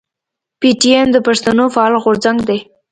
پي ټي ايم د پښتنو فعال غورځنګ دی.